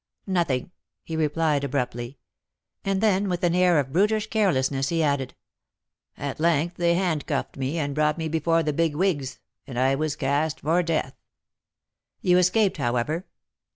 "Nothing," he replied, abruptly; and then, with an air of brutish carelessness, he added, "At length they handcuffed me, and brought me before the 'big wigs,' and I was cast for death." "You escaped, however?"